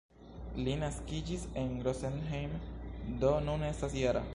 Li naskiĝis en Rosenheim, do nun estas -jara.